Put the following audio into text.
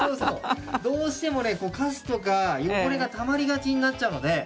どうしてもねカスとか汚れがたまりがちになっちゃうので。